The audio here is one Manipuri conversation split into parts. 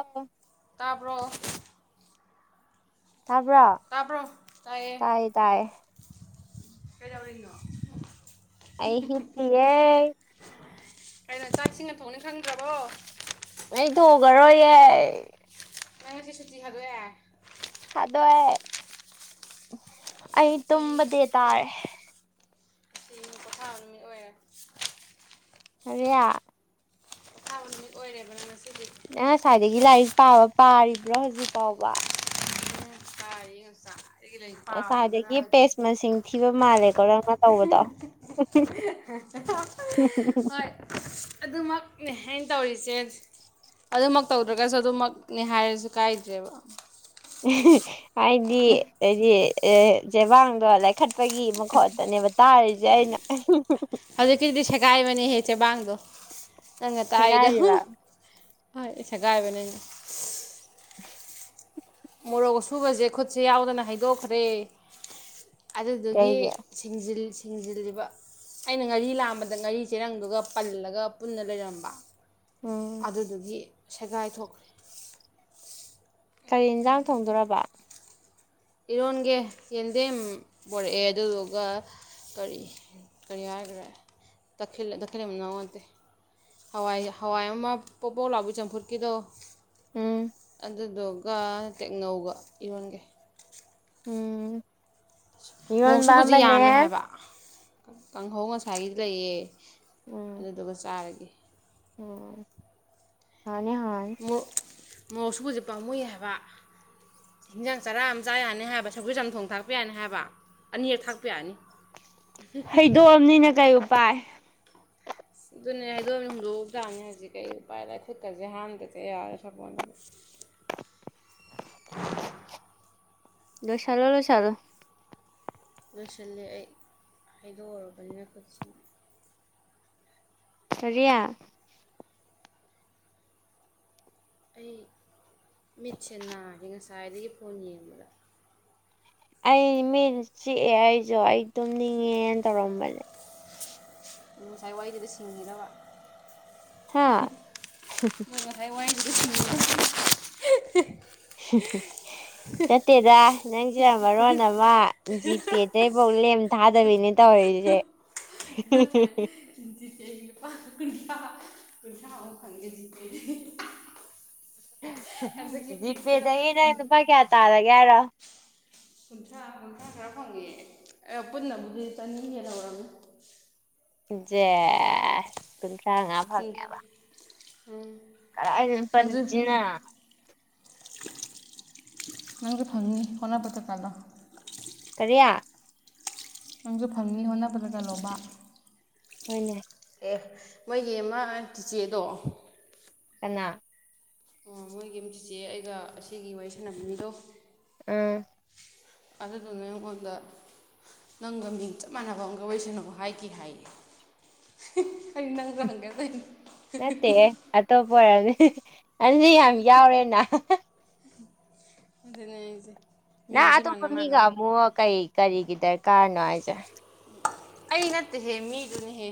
ꯑꯣ [inaudible] ꯇꯥꯕ꯭ꯔꯣ ꯇꯥꯕ꯭ꯔꯥ ꯇꯥꯕ꯭ꯔꯣ ꯇꯥꯏꯑꯦ ꯀꯩꯗꯧꯔꯤꯅꯣ ꯑꯩ ꯍꯤꯡꯄꯤꯌꯦ ꯀꯩꯅꯣ ꯆꯥꯛ ꯢꯁꯤꯡꯒ ꯊꯣꯡꯅꯤ ꯈꯪꯗ꯭ꯔꯕꯣ ꯑꯩ ꯊꯣꯡꯉꯔꯣꯏꯌꯦ ꯅꯪ ꯉꯁꯤ ꯁꯨꯇꯤ ꯊꯥꯗꯣꯛꯑꯦ ꯊꯥꯗꯣꯛꯑꯦ ꯑꯩ ꯁꯨꯇꯤ ꯇꯨꯝꯕ ꯗꯦ ꯇꯥꯔꯦ ꯉꯁꯤ ꯄꯣꯊꯥꯕ ꯅꯨꯃꯤꯠ ꯑꯣꯏꯔꯦ ꯍꯔꯤꯌꯥ ꯄꯣꯊꯥꯕ ꯅꯨꯃꯤꯠ ꯑꯣꯏꯔꯦꯕ ꯅꯪ ꯉꯁꯤꯗꯤ ꯅꯪ ꯉꯁꯥꯏꯗꯒꯤ ꯂꯥꯏꯔꯤꯛ ꯄꯥꯕ ꯄꯥꯔꯤꯕ꯭ꯔꯣ ꯍꯧꯖꯤꯛ ꯐꯥꯎꯕ ꯄꯔꯤꯌꯦ ꯉꯁꯥ ꯉꯁꯥꯏꯗꯒꯤ ꯄꯦꯁ ꯃꯁꯤꯡ ꯊꯤꯕ ꯃꯥꯜꯂꯦꯀꯣ ꯅꯪꯅ ꯇꯧꯕꯗꯣ [unintelligible] ꯍꯣꯏ ꯑꯗꯨꯃꯛꯅꯦ ꯑꯩꯅ ꯇꯧꯔꯤꯁꯦ ꯑꯗꯨꯃꯛ ꯇꯧꯗ꯭ꯔꯒꯁꯨ ꯑꯗꯨꯃꯛꯅꯦ ꯍꯥꯏꯔꯁꯨ ꯀꯥꯏꯗ꯭ꯔꯦꯕ ꯍꯥꯏꯗꯤ ꯍꯥꯏꯗꯤ ꯆꯦꯕꯥꯡꯗꯣ ꯂꯩꯈꯠꯄꯒꯤ ꯃꯈꯣꯜꯇꯅꯦꯕ ꯇꯥꯔꯤꯁꯦ ꯑꯩꯅ ꯍꯧꯖꯤꯛꯀꯤꯗꯨꯗꯤ ꯁꯦꯒꯥꯏꯕꯅꯦꯍꯦ ꯆꯦꯕꯥꯡꯗꯣ ꯅꯪꯅ ꯇꯥꯔꯤꯗꯣ ꯁꯦꯒꯥꯏꯔꯤꯕ ꯍꯣꯏ ꯁꯦꯒꯥꯏꯕꯅꯤ ꯑꯩꯅ [inaudible] ꯃꯣꯔꯣꯛ ꯑꯁꯨꯕꯁꯦ ꯈꯨꯠꯁꯦ ꯌꯥꯎꯗꯅ ꯍꯩꯗꯣꯛꯈ꯭ꯔꯦ ꯑꯗꯨꯗꯨꯒꯤ ꯀꯩꯒꯤ ꯁꯤꯡꯖꯤꯜ ꯁꯤꯡꯖꯤꯜꯂꯤꯕ ꯑꯩꯅ ꯉꯥꯔꯤ ꯂꯥꯛꯕꯗ ꯉꯥꯔꯤ ꯆꯦꯔꯪꯗꯨꯒ ꯄꯜꯂꯒ ꯄꯨꯟꯅ ꯂꯩꯔꯝꯕ ꯎꯝ ꯑꯗꯨꯗꯨꯒꯤ ꯁꯦꯒꯥꯏ ꯊꯣꯛꯈ꯭ꯔꯦ ꯀꯔꯤ ꯌꯦꯟꯖꯥꯡ ꯊꯣꯡꯗꯣꯔꯕ ꯏꯔꯣꯟꯒꯦ ꯌꯦꯟꯗꯦꯝ ꯄꯣꯔꯛꯑꯦ ꯑꯗꯨꯗꯨꯒ ꯀꯔꯤ ꯀꯔꯤ ꯍꯥꯏꯒꯔꯦ ꯇꯈꯦ ꯇꯈꯦꯜꯂꯩ ꯃꯅꯥꯎ ꯅꯠꯇꯦ ꯍꯋꯥꯏ ꯍꯋꯥꯏ ꯑꯃ ꯄꯣꯄꯣꯛ ꯂꯥꯎꯕ ꯆꯝꯐꯨꯠꯀꯤꯗꯣ ꯎꯝ ꯑꯗꯨꯗꯨꯒ ꯇꯦꯛꯅꯧꯒ ꯏꯔꯣꯟꯒꯦ ꯎꯝ ꯃꯣꯔꯣꯛ ꯏꯔꯣꯟꯕ ꯁꯨꯕꯁꯦ ꯑꯃꯅꯦ ꯌꯥꯝꯃꯦ ꯍꯥꯏꯕ ꯀꯥꯡꯍꯧ ꯉꯁꯥꯏꯒꯤꯗꯤ ꯂꯩꯌꯦ ꯎꯝ ꯑꯗꯨꯗꯨꯒ ꯆꯥꯔꯒꯦ ꯎꯝ ꯍꯥꯔꯅꯤ ꯍꯥꯎꯔꯅꯤ ꯃꯣꯔꯣꯛ ꯑꯁꯨꯕꯖꯦ ꯄꯥꯝꯃꯨꯏ ꯍꯥꯏꯕ ꯏꯟꯖꯥꯡ ꯆꯔꯥ ꯑꯃ ꯆꯥ ꯌꯥꯅꯤ ꯍꯥꯏꯕ ꯁꯧꯒꯨ ꯆꯝ ꯊꯣꯡ ꯊꯥꯛꯄ ꯌꯥꯅꯤ ꯍꯥꯏꯕ ꯑꯅꯤꯔꯛ ꯊꯥꯛꯄ ꯌꯥꯔꯅꯤ ꯍꯩꯗꯣꯛꯑꯝꯅꯤꯅ ꯀꯩ ꯑꯄꯥꯏ ꯑꯗꯨꯅꯦ ꯍꯥꯏꯗꯣꯛꯑꯃꯤꯅ ꯍꯣꯟꯗꯣꯛꯎ ꯇꯥꯕꯅꯤ ꯍꯧꯖꯤꯛ ꯀꯩ ꯎꯄꯥꯏ ꯂꯥꯏ ꯈꯨꯨꯠꯀꯁꯦ ꯍꯥꯝꯗꯗꯤ ꯌꯥꯔꯣꯏ ꯁꯄꯣꯟꯅꯒ ꯂꯣꯏꯁꯤꯜꯂꯣ ꯂꯣꯏꯁꯤꯜꯂꯣ ꯂꯣꯏꯁꯤꯂꯦ ꯑꯩ ꯍꯩꯗꯣꯛꯎꯔꯕꯅꯤꯅ ꯈꯨꯠꯁꯤ ꯀꯥꯔꯤꯌꯥ ꯑꯩ ꯃꯤꯠꯁꯦꯅꯥꯔꯦ ꯉꯁꯥꯏꯗꯒꯤ ꯐꯣꯟ ꯌꯦꯡꯕꯗ ꯑꯩ ꯃꯤꯠ ꯆꯤꯛꯑꯦ ꯑꯩꯁꯨ ꯑꯩ ꯇꯨꯝꯅꯤꯡꯉꯦꯅ ꯇꯧꯔꯝꯕꯅꯦ ꯉꯁꯥꯏ ꯋꯥꯏꯗꯨꯗ ꯁꯤꯡꯉꯤꯔꯥꯕ ꯍꯥ [unintelligible] ꯅꯠꯇꯦꯗ ꯅꯪꯁꯦ ꯌꯥꯝ ꯃꯔꯣꯟ ꯑꯃ ꯖꯤꯇꯦꯗꯩ ꯕꯣ ꯂꯦꯝ ꯊꯥꯗꯕꯤꯅꯦ ꯇꯧꯔꯤꯁꯦ ꯅꯠꯇ꯭ꯔꯦ [inaudible] [unintelligible] ꯍꯟꯗꯛꯀꯤ ꯄꯤꯛꯇꯨꯗ ꯖꯤꯄꯦꯗꯒꯤ ꯅꯪ ꯂꯨꯄꯥ ꯀꯌꯥ ꯇꯥꯜꯂꯒꯦ ꯍꯥꯏꯔꯣ ꯀꯨꯟꯊ꯭ꯔꯥ ꯀꯨꯟꯊ꯭ꯔꯥ ꯈꯔ ꯐꯪꯉꯦ ꯑꯔꯣ ꯄꯨꯟꯅꯕꯨꯨꯛꯗꯤ ꯆꯅꯤ ꯍꯦꯜ ꯍꯧꯔꯕꯅꯤ ꯖꯦꯁ ꯀꯨꯟꯊ꯭ꯔꯥ ꯉꯥ ꯎꯝ ꯐꯪꯉꯦꯕ [inaudible] ꯀꯔꯥꯏꯗꯟ ꯅꯪꯁꯨ ꯄꯟꯖꯤꯅꯥ ꯅꯪꯁꯨ ꯐꯪꯅꯤ ꯍꯣꯠꯅꯕꯗ ꯀꯥꯥꯜꯂꯣ ꯀꯔꯤꯌꯥ ꯅꯪꯁꯨ ꯐꯪꯅꯤ ꯍꯣꯠꯅꯕꯗ ꯀꯜꯂꯣꯕ ꯍꯣꯏꯅꯦ ꯑꯦ ꯃꯣꯏꯒꯤ ꯑꯃ ꯆꯤꯆꯦꯗꯣ ꯀꯅꯥ ꯑꯣ ꯃꯣꯏꯒꯤ ꯑꯝ ꯆꯤꯆꯦ ꯑꯩꯒ ꯑꯁꯤꯒꯤ ꯋꯥꯔꯤ ꯁꯥꯟꯅꯕ ꯃꯤꯗꯣ ꯎꯝ ꯑꯗꯨꯗꯨꯅ ꯑꯩꯉꯣꯟꯗ ꯅꯪꯒ ꯃꯤꯡ ꯆꯞ ꯃꯥꯟꯅꯕ ꯑꯃꯒ ꯋꯥꯔꯤꯁꯅꯨ ꯍꯥꯏꯒꯤ ꯍꯥꯏꯌꯦ [unintelligible] ꯅꯠꯇꯦꯍꯦ ꯑꯇꯣꯞꯄ ꯑꯣꯏꯔꯝꯅꯤ ꯑꯗꯤ ꯌꯥꯝ ꯌꯥꯎꯔꯦꯅ ꯑꯗꯨꯅꯦ ꯍꯥꯏꯁꯤ ꯅꯥ ꯑꯇꯣꯞꯄ ꯃꯤꯒ ꯑꯃꯨꯛ ꯀꯔꯤ ꯀꯔꯤꯒꯤ ꯗꯔꯀꯥꯔꯅꯣ ꯍꯥꯏꯁꯦ ꯑꯩ ꯅꯠꯇꯦꯍꯦ ꯃꯤꯗꯨꯅꯍꯦ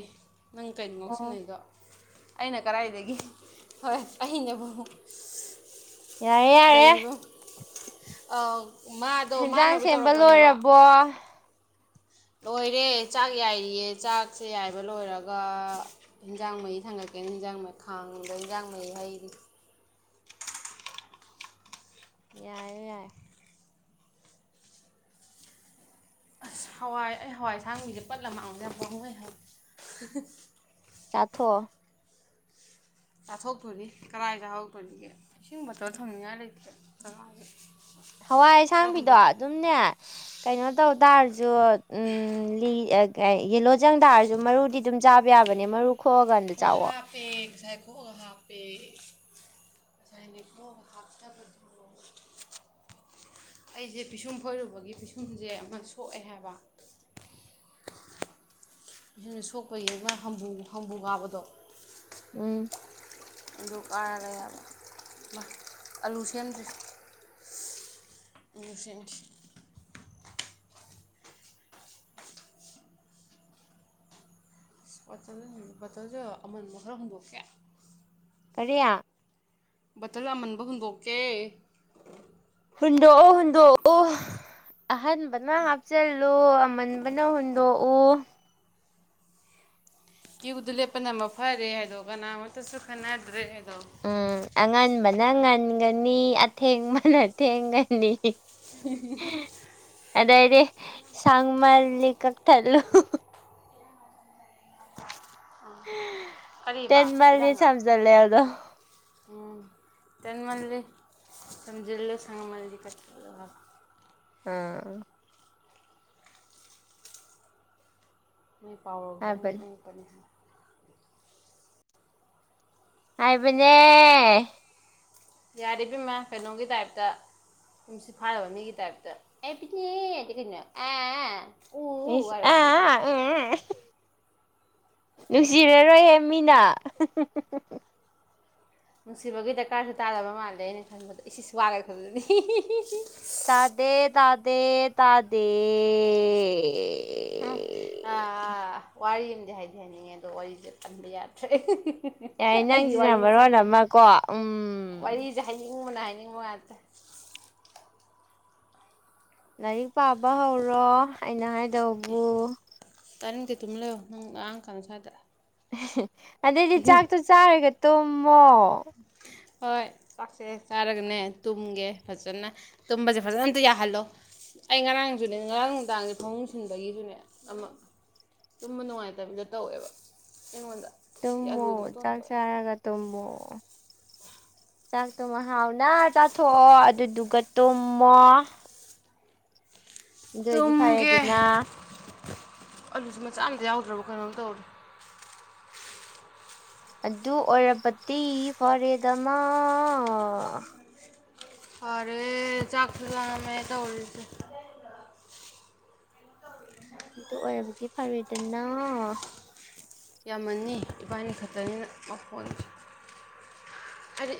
ꯅꯪ ꯀꯩꯅꯣ ꯑꯣ ꯉꯧꯁꯤꯉꯩꯗꯣ ꯑꯩꯅ ꯀꯗꯥꯥꯏꯗꯒꯤ ꯍꯣꯏ ꯑꯩꯅꯕꯨ ꯌꯥꯔꯦ ꯌꯥꯔꯦ ꯂꯩꯔꯤꯕ ꯑꯥ ꯃꯥꯗꯣ ꯍꯦꯟꯖꯥꯡ ꯃꯥꯅꯕꯨ ꯁꯦꯝꯕ ꯇꯧꯔꯛꯄꯅꯦꯕ ꯂꯣꯏꯔꯕꯣ ꯂꯣꯏꯔꯦ ꯆꯥꯛ ꯌꯥꯏꯔꯤꯌꯦ ꯆꯥꯛꯁꯦ ꯌꯥꯏꯕ ꯂꯣꯏꯔꯒ ꯍꯤꯟꯖꯥꯡ ꯃꯩ ꯊꯥꯡꯉꯛꯀꯦꯅ ꯍꯟꯖꯥꯡ ꯈꯥꯡꯗꯥ ꯍꯟꯖꯥꯡ ꯃꯩ ꯍꯩꯔꯤ ꯌꯥꯏꯌꯦ ꯌꯥꯏ ꯑꯁ ꯍꯋꯥꯏ ꯑꯩ ꯍꯋꯥꯏꯁꯥꯡ ꯃꯤꯁꯦ ꯄꯠꯂ ꯃꯥꯡꯗ ꯌꯥꯝ ꯄꯥꯎꯃꯨꯏ ꯍꯥꯏ ꯆꯥꯊꯣꯛꯑꯣ ꯆꯥꯊꯣꯛꯇꯣꯔꯤ ꯀꯗꯥꯥꯏ ꯍꯧꯇꯣꯔꯤꯒꯦ ꯏꯁꯤꯡ ꯕꫭꯇꯜ ꯊꯝꯅꯤꯡꯉꯥꯏ ꯂꯩꯇꯦ [unintelligible] ꯍꯋꯥꯏ ꯑꯁꯥꯡꯕꯤꯗꯣ ꯑꯗꯨꯝꯅꯦ ꯀꯩꯅꯣ ꯇꯧ ꯇꯔꯁꯨ ꯎꯝ ꯂꯤ ꯑꯦ ꯀꯩ ꯌꯦꯂꯣ ꯆꯪ ꯇꯔꯁꯨ ꯃꯔꯨꯗꯤ ꯑꯗꯨꯝ ꯆꯥꯕ ꯌꯥꯕꯅꯦ ꯃꯔꯨꯞ ꯑꯣ ꯍꯥꯞꯄꯦ ꯉꯁꯥꯏ ꯈꯣꯑꯥ ꯍꯥꯞꯄꯦ [unintelligible] ꯑꯩꯁꯦ ꯄꯤꯁꯨꯝ ꯐꯣꯏꯔꯨꯕꯒꯤ ꯄꯤꯁꯨꯝꯁꯦ ꯑꯃ ꯁꯣꯛꯑꯦ ꯍꯥꯏꯕ ꯑꯁꯤꯅ ꯁꯣꯛꯄꯩ ꯑꯃ ꯍꯥꯝꯕꯨ ꯍꯝꯕꯨꯨ ꯀꯥꯕꯗꯣ ꯎꯝ ꯑꯗꯨ ꯀꯥꯔꯒꯥ ꯌꯥꯕ ꯏꯃꯥ ꯑꯂꯨ ꯁꯦꯝꯗ꯭ꯔꯤ ꯏꯂꯤꯐ꯭ꯔꯦꯟꯁ [unintelligible] ꯕꯣꯇꯜꯁꯨ ꯑꯃꯟꯕ ꯈꯔ ꯍꯪꯗꯣꯛꯀꯦ ꯀꯔꯤꯌꯥ ꯕꯇꯔ ꯑꯥꯃꯟꯕ ꯍꯨꯟꯗꯣꯛꯀꯦ ꯍꯨꯟꯗꯣꯛꯑꯣ ꯍꯨꯟꯗꯣꯛꯑꯣ ꯑꯍꯟꯕꯅ ꯍꯥꯞꯆꯤꯜꯂꯨ ꯑꯃꯟꯕꯅ ꯍꯨꯟꯗꯣꯛꯎ ꯀ꯭ꯌꯨꯗꯨ ꯂꯦꯞꯄꯅ ꯑꯃ ꯐꯔꯦ ꯍꯥꯏꯗꯣ ꯀꯅꯥꯃꯇꯁꯨ ꯈꯟꯅꯗ꯭ꯔꯦ ꯍꯥꯏꯗꯣ ꯎꯝ ꯑꯉꯟꯕꯅ ꯉꯟꯒꯅꯤ ꯑꯊꯦꯡꯕꯅ ꯊꯦꯡꯒꯅꯤ [unintelligible] ꯑꯗꯗꯤ ꯁꯥꯥꯡꯃꯜ ꯂꯤ ꯀꯛ ꯊꯛꯂꯨ ꯀꯔꯤꯕ ꯇꯦꯟꯃꯜꯂꯤ ꯏꯔꯪ ꯉꯥ ꯁꯝꯖꯜꯂꯦ ꯑꯗꯣ ꯎꯝ ꯇꯦꯟꯃꯜꯂꯤ ꯊꯝꯖꯤꯜꯂꯨ ꯁꯥꯡꯃꯜꯂꯗꯤ ꯀꯛꯊꯠꯂꯨ ꯍꯥꯏꯕ ꯑꯥ ꯃꯣꯏ ꯄꯥꯎꯔꯧꯁꯦ ꯑꯉꯛ ꯍꯥꯏꯕꯅꯦ ꯑꯉꯛꯄꯅꯤ ꯍꯥꯏ ꯍꯥꯏꯕꯅꯦ ꯌꯥꯔꯦꯕ ꯏꯕꯤꯝꯃ ꯀꯩꯅꯣꯝꯒꯤ ꯇꯥꯏꯞꯇ ꯇꯨꯝꯁꯤꯠ ꯐꯥꯗꯕ ꯃꯤꯒꯤ ꯇꯥꯏꯞꯇ ꯑꯦ [unintelligible] ꯑꯥ ꯑ ꯑꯤꯁ ꯑ ꯑ ꯑꯦ ꯑꯦ ꯅꯨꯡꯁꯤꯔꯔꯣꯏꯍꯦ ꯃꯤꯅ ꯅꯨꯡꯁꯤꯕꯒꯤ ꯗꯔꯀꯥꯔꯁꯨ ꯇꯥꯗꯕ ꯃꯥꯜꯂꯦ ꯑꯩꯅ ꯈꯟꯕꯗ ꯑꯤꯁ ꯑꯤꯁ ꯋꯥꯒ [unintelligible] ꯇꯥꯗꯦ ꯇꯥꯗꯦ ꯇꯥꯗꯦ ꯎꯝ ꯋꯥꯔꯤ ꯑꯝꯗꯤ ꯍꯥꯏꯗꯤ ꯍꯥꯏꯅꯤꯡꯉꯦ ꯑꯗꯣ ꯋꯥꯔꯤꯁꯦ ꯄꯟꯕ ꯌꯥꯗ꯭ꯔꯦ ꯌꯥꯏ ꯑꯩꯒꯤ ꯅꯪꯁꯤꯅ ꯋꯥꯔꯤꯁꯦ ꯃꯔꯣꯟ ꯑꯃꯀꯣ ꯎꯝ ꯋꯥꯔꯤꯁꯦ ꯍꯥꯏꯅꯤꯡꯕꯅ ꯍꯥꯏꯅꯤꯡꯕ ꯉꯥꯛꯇꯦ ꯂꯥꯏꯔꯤꯛ ꯄꯥꯕ ꯍꯧꯔꯣ ꯑꯩꯅ ꯍꯥꯏꯗꯧꯕꯨ ꯇꯥꯅꯤꯡꯗꯦ ꯇꯨꯝꯃꯤꯟ ꯂꯩꯌꯣ ꯅꯪ ꯂꯥꯡꯉꯛ ꯀꯥꯅꯣ ꯁꯋꯥꯏꯗ ꯑꯗꯩꯗꯤ ꯆꯥꯛꯇꯣ ꯆꯥꯔꯒ ꯇꯨꯝꯃꯣ ꯍꯣꯏ ꯆꯥꯛꯁꯦ ꯆꯥꯔꯒꯅꯦ ꯇꯨꯝꯒꯦ ꯐꯖꯅ ꯇꯨꯝꯕꯁꯦ ꯐꯖꯅ ꯑꯝꯇ ꯌꯥꯍꯜꯂꯣ ꯑꯩ ꯉꯔꯥꯡꯁꯨꯅꯦ ꯉꯔꯥꯡ ꯅꯨꯡꯗꯥꯡꯁꯨ ꯐꯄꯨꯡ ꯁꯤꯟꯕꯒꯤꯁꯨꯅꯦ ꯑꯃ ꯇꯨꯝꯕ ꯅꯨꯡꯉꯥꯏꯇꯕꯤꯗ ꯇꯧꯋꯦꯕ ꯑꯩꯉꯣꯟꯗ ꯁꯤ ꯇꯨꯝꯃꯣ ꯑꯂꯨꯒꯤ ꯃꯇꯣꯟ ꯆꯥꯛ ꯊꯣꯛꯑꯦ ꯆꯥꯔꯒ ꯇꯨꯝꯃꯣ ꯆꯥꯛꯇꯨꯃꯥ ꯍꯥꯎꯅ ꯆꯥꯊꯣꯛꯑꯣ ꯑꯗꯨꯗꯨꯒ ꯇꯨꯝꯃꯣ ꯑꯗꯨꯑꯣꯏꯗꯤ ꯇꯨꯝꯒꯦ ꯐꯔꯦꯗꯅ ꯑꯂꯨꯁꯨ ꯃꯆꯥ ꯑꯃꯇ ꯌꯥꯎꯗ꯭ꯔꯕ ꯀꯩꯅꯣꯝ ꯇꯧꯔꯦ ꯑꯗꯨ ꯑꯣꯏꯔꯕꯗꯤ ꯐꯔꯦꯗꯥ ꯃꯥ ꯐꯔꯦ ꯆꯥꯛꯁꯨ ꯂꯝꯃꯦ ꯇꯧꯔꯤꯁꯦ [unintelligible] ꯑꯗꯨ ꯑꯣꯏꯔꯕꯗꯤ ꯐꯔꯦꯗꯥꯅ ꯌꯥꯝꯃꯅꯤ ꯏꯕꯥꯅꯤ ꯈꯛꯇꯅꯤꯅ ꯄꯈꯣꯟꯁꯦ ꯍꯥꯏꯗꯤ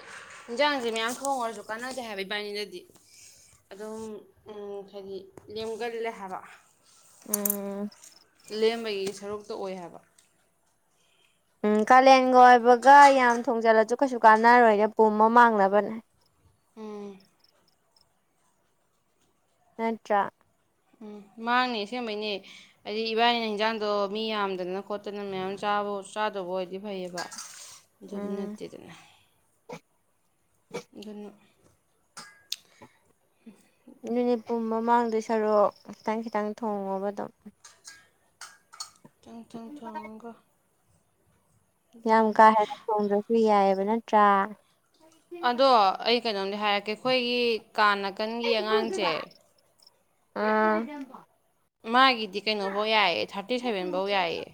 ꯏꯟꯁꯥꯡꯁꯦ ꯃꯌꯥꯝ ꯊꯣꯡꯉꯥꯁꯨ ꯀꯥꯟꯅꯗꯦ ꯍꯥꯏꯕ ꯏꯕꯥꯅꯤꯗꯗꯤ ꯑꯗꯨꯝ ꯍꯥꯏꯗꯤ ꯂꯦꯝꯒꯜꯂꯦ ꯍꯥꯏꯕ ꯎꯝ ꯂꯦꯝꯕꯒꯤ ꯁꯔꯨꯛꯇ ꯑꯣꯏ ꯍꯥꯏꯕ ꯎꯝ ꯀꯥꯂꯦꯟꯒ ꯑꯣꯏꯕꯒ ꯌꯥꯝ ꯊꯣꯡꯖꯜꯂꯁꯨ ꯀꯩꯁꯨ ꯀꯥꯟꯅꯔꯣꯏꯗ ꯄꯨꯝꯃ ꯃꯥꯡꯅꯕꯅꯦ ꯎꯝ ꯅꯠꯇ꯭ꯔꯥ ꯎꯝ ꯃꯥꯡꯅꯦ ꯑꯁꯦꯝꯕꯩꯅꯦ ꯍꯥꯏꯗꯤ ꯏꯕꯥꯅꯤꯅ ꯍꯟꯖꯥꯡꯗꯣ ꯃꯤ ꯌꯥꯝꯗꯅ ꯈꯣꯠꯇꯅ ꯃꯌꯥꯝ ꯆꯥꯕ ꯆꯥꯗꯧꯕ ꯑꯣꯏꯗꯤ ꯐꯩꯌꯦꯕ ꯑꯗꯨꯗꯤ ꯎꯝ ꯅꯠꯇꯦꯗꯅ ꯑꯗꯨꯟꯅꯥ ꯑꯗꯨꯅꯦ ꯄꯨꯝꯃ ꯃꯥꯡꯗꯩ ꯁꯔꯨꯛ ꯈꯤꯇꯪ ꯈꯤꯇꯪ ꯊꯣꯡꯉꯣꯕ ꯑꯗꯨꯝ ꯈꯤꯇꯪ ꯈꯤꯇꯪ ꯊꯣꯡꯉꯒ ꯌꯥꯝ ꯑꯗꯨꯃꯥꯏꯅ ꯀꯥ ꯍꯦꯟꯅ ꯊꯣꯡꯗ꯭ꯔꯥꯁꯨ ꯌꯥꯏꯑꯦꯕ ꯅꯠꯇ꯭ꯔꯥ ꯑꯗꯣ ꯑꯩ ꯀꯩꯅꯣꯝꯗꯤ ꯍꯥꯏꯔꯛꯀꯦ ꯑꯩꯈꯣꯏꯒꯤ ꯀꯥ ꯅꯥꯀꯟꯒꯤ ꯑꯉꯥꯡꯁꯦ ꯑꯥ ꯃꯥꯒꯤꯗꯤ ꯀꯩꯅꯣꯐꯧ ꯌꯥꯏꯑꯦ ꯊꯥꯔꯇꯤ ꯁꯚꯦꯟꯐꯧ ꯌꯥꯏꯌꯦ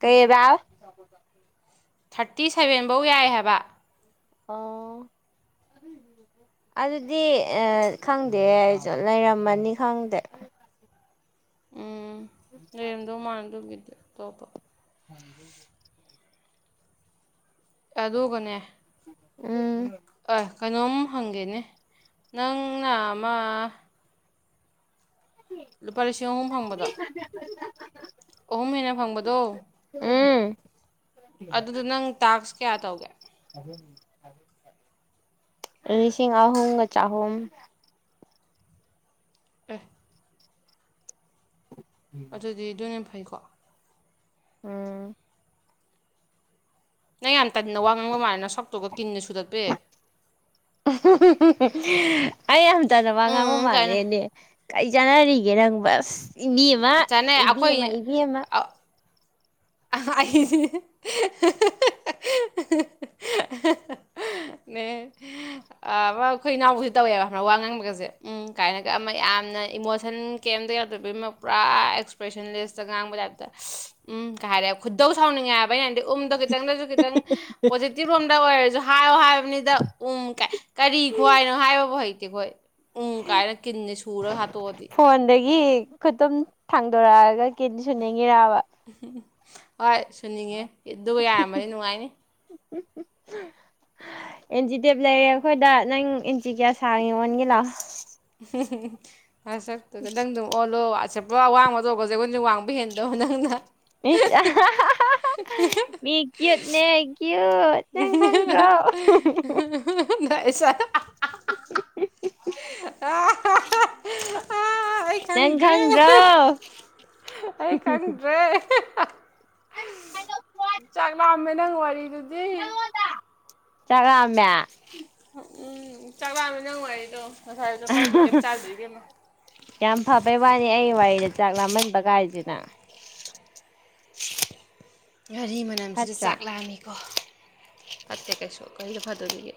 ꯀꯩꯕꯥꯎ ꯊꯥꯔꯇꯤ ꯁꯦꯚꯦꯟꯐꯧ ꯌꯥꯏ ꯍꯥꯏꯕ ꯑꯣ ꯑꯗꯨꯗꯤ ꯈꯪꯗꯦꯁꯨ ꯂꯩꯔꯝꯃꯅꯤ ꯈꯪꯗꯦ ꯂꯩꯔꯞꯗꯧ ꯃꯥꯜꯗꯧ [unintelligible] [unintelligible] ꯑꯗꯨꯒꯅꯦ ꯎꯝ ꯑ ꯀꯩꯅꯣꯝ ꯍꯪꯒꯦꯅꯦ ꯅꯪꯅ ꯑꯃ ꯂꯨꯄꯥ ꯂꯤꯁꯤꯡ ꯑꯍꯨꯝ ꯐꯪꯕꯗꯣ ꯑꯍꯨꯝ ꯍꯦꯟꯅ ꯐꯪꯕꯗꯣ ꯎꯝ ꯑꯗꯨꯗ ꯅꯪ ꯇꯥꯛꯁ ꯀꯌꯥ ꯇꯧꯒꯦ ꯑꯗꯨ ꯂꯤꯁꯤꯡ ꯑꯍꯣꯡꯒ ꯆꯥꯍꯨꯝ ꯑꯦ ꯑꯗꯨꯗꯤ ꯗꯨꯅ ꯍꯦꯟ ꯐꯩꯀꯣ ꯎꯝ ꯅꯪ ꯌꯥꯝ ꯇꯟꯅ ꯋꯥ ꯉꯥꯡꯕ ꯃꯥꯂꯦꯅ ꯁꯛꯇꯨꯒ ꯀꯤꯟꯅ ꯁꯨꯗꯠꯄ ꯍꯦ ꯑꯩ ꯌꯥꯝ ꯇꯅꯕ ꯉꯥꯡꯕ ꯎꯝ ꯀꯥꯏꯅ ꯃꯥꯜꯂꯦꯅꯦ ꯀꯔꯤ ꯆꯥꯟꯅꯔꯤꯒꯦ ꯅꯪꯕꯣ ꯑꯁ ꯏꯕꯦꯃ ꯆꯥꯅꯩ ꯑꯩꯈꯣꯏ ꯏꯕꯦꯃ ꯏꯕꯦꯃ ꯑ- [unintelligible] ꯅꯦ ꯑꯩꯈꯣꯏ ꯏꯅꯥꯎꯕꯁꯦ ꯇꯧꯋꯦꯕ ꯋꯥ ꯉꯥꯡꯕꯒꯁꯦ ꯎꯝ ꯀꯥꯏꯅꯒ ꯑꯃ ꯌꯥꯝꯅ ꯏꯃꯣꯁꯟ ꯀꯦꯝꯇ ꯌꯥꯗꯣꯏꯕꯣꯏꯃꯛ ꯄꯨꯔꯥ ꯑꯦꯛꯁꯄ꯭ꯔꯦꯁꯟ ꯂꯦꯁꯇ ꯉꯥꯡꯕ ꯇꯥꯏꯞꯇ ꯎꯝ ꯀꯩ ꯍꯥꯏꯔꯦ ꯈꯨꯗꯧ ꯁꯥꯎꯅꯤꯡꯉꯦ ꯍꯥꯏꯕ ꯌꯥꯅꯗꯤ ꯎꯝꯗꯣ ꯈꯤꯇꯪꯗꯁꯨ ꯈꯤꯇꯪ ꯄꯣꯖꯤꯇꯤꯚ ꯔꯣꯝꯗ ꯑꯣꯏꯔꯁꯨ ꯍꯥꯏꯌꯣ ꯍꯥꯏꯕꯅꯤꯗ ꯎꯝ ꯀ ꯀꯔꯤ ꯈꯨꯍꯥꯏꯅꯣ ꯍꯥꯏꯕꯕꯨ ꯍꯩꯇꯦꯈꯣꯏ ꯎ ꯀꯥꯏꯅ ꯀꯤꯟꯅꯦ ꯁꯨꯔꯒ ꯍꯥꯠꯇꯣꯛꯑꯗꯤ ꯐꯣꯟꯗꯒꯤ ꯈꯨꯠꯇꯨꯝ ꯊꯥꯡꯗꯣꯔꯛꯑꯒ ꯀꯤꯟ ꯁꯨꯅꯤꯡꯉꯔꯕ ꯍꯣꯏ ꯁꯨꯅꯤꯡꯉꯦ ꯑꯗꯨꯒ ꯌꯥꯔꯃꯗꯤ ꯅꯨꯡꯉꯥꯏꯅꯤ [inaudible] ꯑꯦꯟꯖꯤ ꯗꯦꯕ ꯂꯩꯔꯦ ꯑꯩꯈꯣꯏꯗ ꯅꯪ ꯑꯦꯟꯖꯤ ꯀꯌꯥ ꯁꯥꯡꯉ ꯑꯣꯟꯒꯦ ꯂꯥꯎ [unintelligible] ꯅꯁꯛꯇꯨꯒ ꯅꯇ ꯑꯣꯜꯂꯣ ꯑꯁꯦ ꯄꯨꯔꯥ ꯋꯥꯡꯕꯗꯧꯒꯣꯁꯦꯒꯣꯏ ꯋꯥꯡꯕ ꯍꯦꯟꯗꯣ ꯅꯪꯅ ꯃꯤ ꯀ꯭ꯠꯨꯅꯦ ꯀ꯭ꯠꯨ [unintelligible] [unintelligible] ꯑꯩ ꯅꯪ ꯈꯪꯗ꯭ꯔꯦ ꯈꯪꯗ꯭ꯔꯣ ꯑꯩ ꯈꯪꯗ꯭ꯔꯦ ꯆꯥꯛ ꯂꯥꯛꯑꯝꯃꯦ ꯅꯪ ꯋꯥꯔꯤꯗꯨ ꯆꯛ ꯂꯥꯝꯃꯦ ꯎꯝ ꯆꯥꯛ ꯂꯥꯃꯦ ꯅꯪ ꯋꯥꯔꯤꯔꯤꯗꯣ ꯑ [unintelligible] ꯌꯥꯝ ꯐꯕꯩ ꯋꯥꯅꯤ ꯑꯩ ꯋꯥꯔꯤꯗ ꯆꯥꯛ ꯂꯥꯝꯃꯟꯕ ꯀꯥꯏꯁꯤꯅ [inaudible] ꯉꯥꯔꯤ ꯃꯅꯝꯁꯤꯗ ꯐꯠꯇ꯭ꯔꯥ ꯆꯥꯛ ꯂꯥꯑꯝꯃꯤꯀꯣ ꯐꯠꯇꯦ ꯀꯩꯁꯨ ꯀꯔꯤꯗ ꯐꯗꯣꯔꯤꯒꯦ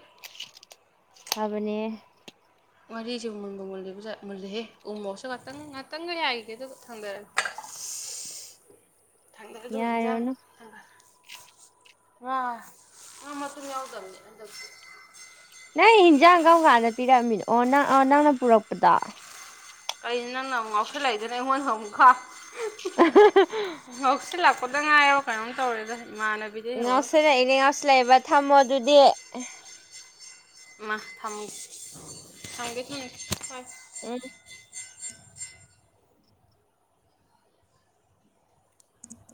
ꯊꯕꯅꯤ ꯉꯔꯤꯁꯦ ꯃꯨꯟꯕ ꯃꯨꯜꯕꯨꯃꯨꯜꯂꯤꯕꯖꯥ ꯃꯨꯜꯂꯦꯍꯦ ꯎꯃꯣꯁꯨ ꯉꯥꯛꯇꯪ ꯉꯥꯛꯇꯪꯒ ꯌꯥꯏꯈꯤꯗꯦ ꯑꯗꯨ ꯊꯪꯗꯔꯒꯦ ꯊꯥꯡꯗꯔꯗꯣ ꯍꯤꯟꯖꯥꯡ ꯌꯥꯔꯨꯅꯨ ꯉꯥ ꯉꯥ ꯃꯇꯨꯝ ꯌꯥꯎꯗꯕꯅꯦ ꯍꯟꯗꯛꯇꯤ꯫ ꯅꯪ ꯍꯤꯟꯖꯥꯡ ꯀꯔꯝ ꯀꯥꯟꯗ ꯄꯤꯔꯝꯃꯤꯅꯣ ꯑꯣ ꯅꯪ ꯅꯪꯅ ꯄꯨꯔꯛꯄꯗꯣ꯫ ꯀꯩꯅꯣ ꯅꯪꯅ ꯑꯃꯨꯛ ꯉꯥꯎꯁꯤꯜꯂꯛꯏꯗꯨꯅ ꯑꯩꯉꯣꯟꯗ ꯑꯃꯨꯛꯀ ꯉꯥꯎꯁꯤꯜꯂꯛꯄ ꯉꯥꯏꯔꯕ ꯀꯩꯅꯣꯝ ꯇꯧꯔꯦꯗ ꯏꯃꯥꯟꯅꯕꯤ ꯉꯥꯎꯁꯤꯜꯂꯛꯏꯅꯦ ꯉꯥꯎꯁꯤꯜꯂꯛꯏꯕ ꯊꯝꯃꯣ ꯑꯗꯨꯗꯤ꯫ ꯏꯃꯥ ꯊꯝꯒꯦ ꯊꯝꯒꯦ ꯊꯝꯒꯦ ꯄꯥꯏꯌꯨ꯫ [unintelligible]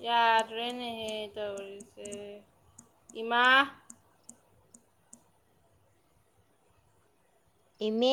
ꯌꯥꯗ꯭ꯔꯦꯅꯦꯍꯦ ꯇꯧꯔꯤꯁꯦ ꯏꯃꯥ! ꯏꯃꯦ